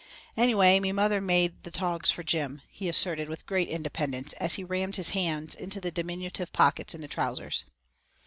"Anyway, me mother made the togs fer Jim," he asserted with great independence, as he rammed his hands into the diminutive pockets in the trousers.